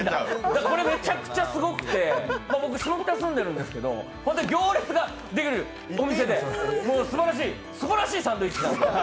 これ、めちゃくちゃすごくて、僕、シモキタに住んでるんですけど行列ができるお店ですばらしいサンドイッチなんです！